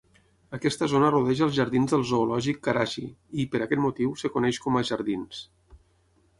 Aquesta zona rodeja els jardins del zoològic Karachi i, per aquest motiu es coneix com a "Jardins".